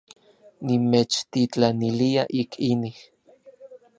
Nimechtitlanilia ik inij.